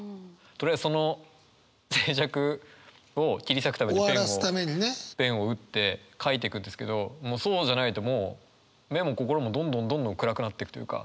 とりあえずその静寂を切り裂くためにペンをペンを打って書いてくんですけどもうそうじゃないと目も心もどんどんどんどん暗くなってくというか。